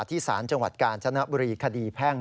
สารจังหวัดกาญจนบุรีคดีแพ่ง